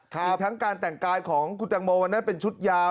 อีกทั้งการแต่งกายของคุณตังโมวันนั้นเป็นชุดยาว